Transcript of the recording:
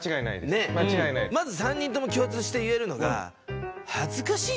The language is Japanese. まず３人とも共通して言えるのがどこかで。